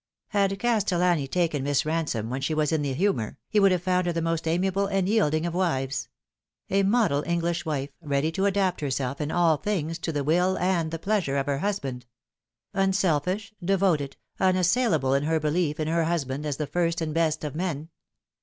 Had Castellan! taken Miss Ransome when she was in the humour, he would have found her the most amiable and yield ing of wives ; a model English wife, ready to adapt herself in all things to the will and the pleasure of her husband ; unselfish, devoted, unassailable in her belief in her husband as the first and best of men.